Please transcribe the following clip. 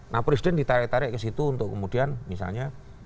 nah presiden ditarik tarik ke situ untuk kemudian misalnya